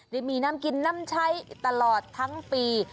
ได้มีน้ำกินน้ำใช้ตลอดทั้งปี